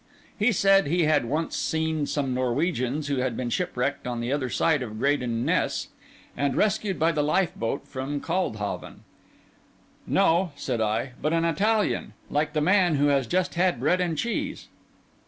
He said he had once seen some Norwegians, who had been shipwrecked on the other side of Graden Ness and rescued by the lifeboat from Cauldhaven. "No!" said I; "but an Italian, like the man who has just had bread and cheese."